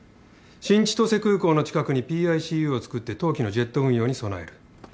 新千歳空港の近くにＰＩＣＵを作って冬季のジェット運用に備える。